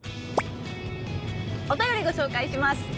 お便りご紹介します！